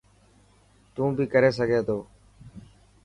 تون بي ڪري سگهي ٿو.